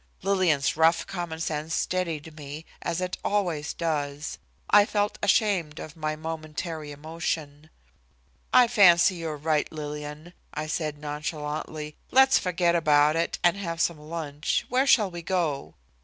'" Lillian's rough common sense steadied me, as it always does. I felt ashamed of my momentary emotion. "I fancy you're right, Lillian," I said nonchalantly. "Let's forget about it and have some lunch. Where shall we go?"